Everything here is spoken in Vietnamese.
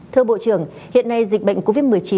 thưa bộ trưởng hiện nay dịch bệnh covid một mươi chín